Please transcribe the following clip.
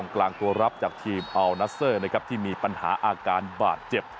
กลางตัวรับจากทีมอัลนัสเซอร์นะครับที่มีปัญหาอาการบาดเจ็บ